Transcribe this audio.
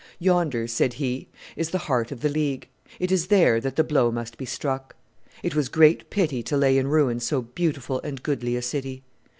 "Yonder," said he, "is the heart of the League; it is there that the blow must be struck. It was great pity to lay in ruins so beautiful and goodly a city.